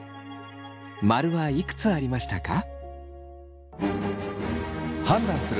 ○はいくつありましたか？